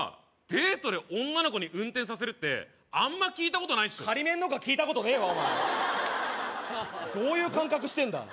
デートで女の子に運転させるってあんま聞いたことないっしょ「仮免」の方が聞いたことねえわどういう感覚してんだ？